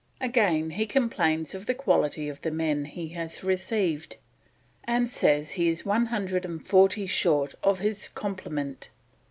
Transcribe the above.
Again, he complains of the quality of the men he has received, and says he is one hundred and forty short of his complement.